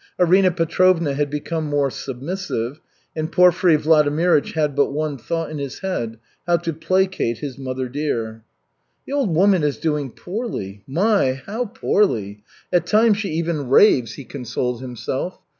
Arina Petrovna had become more submissive, and Porfiry Vladimirych had but one thought in his head: how to placate his mother dear. "The old woman is doing poorly, my, how poorly! At times she even raves," he consoled himself.